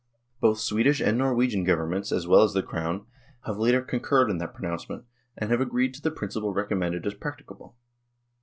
Both Swedish and Norwegian Governments, as well as the Crown, have later con QUESTION OF THE CONSULAR SERVICE 67 curred in that pronouncement, and have agreed to the principle recommended as practicable.